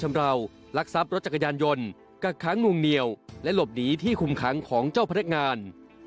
ก็อยากขอโทษที่ผมทำสิ่งที่ไม่ดีไปครับสิ่งที่ทำไปแล้วครับ